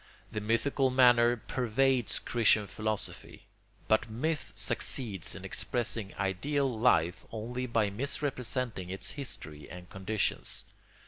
The mythical manner pervades Christian philosophy; but myth succeeds in expressing ideal life only by misrepresenting its history and conditions.